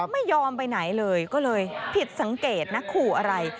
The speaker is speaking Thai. ไม่ยอมไปไหนเลยก็เลยผิดสังเกตนะขู่อะไร